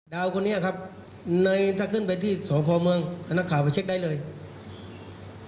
คนนี้ครับในถ้าขึ้นไปที่สพเมืองพนักข่าวไปเช็คได้เลย